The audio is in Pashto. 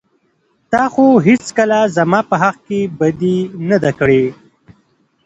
تا خو هېڅکله زما په حق کې بدي نه ده کړى.